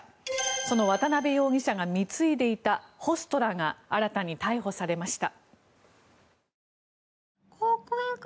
その渡邊容疑者が貢いでいたホストらが新たに逮捕されました。